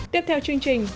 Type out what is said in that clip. tiếp theo chương trình